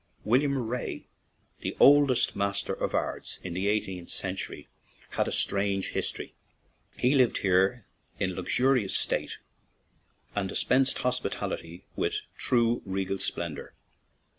Will iam Wray, the old master of Ards in the eighteenth century, had a strange history. He lived here in luxurious state and "dis pensed hospitality with true regal splen dor."